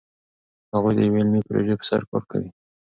هغوی د یوې علمي پروژې په سر کار کوي.